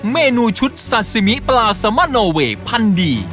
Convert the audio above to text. เมนูชุดซาซิมิปลาสามะโนเวพันธุ์ดี